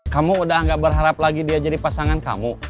kamu udah gak berharap lagi dia jadi pasangan kamu